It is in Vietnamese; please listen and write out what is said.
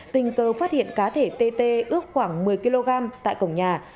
tình cờ phát hiện cá thể tê tê ước khoảng một mươi kg tại cổng nhà